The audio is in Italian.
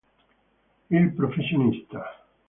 Il professionista